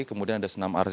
kemudian ada senam artis